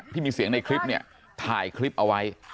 ที่มีเสียงในคลิปเนี่ยถ่ายคลิปเอาไว้